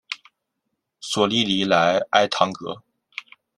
索利尼莱埃唐格。